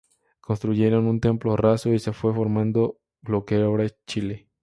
Construyeron un templo raso y se fue formando lo que ahora es Chilla.